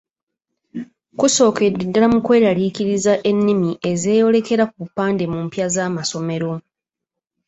Kusookedde ddala mu kwekaliriza ennimi ezeeyolekera ku bupande mu mpya z'amasomero.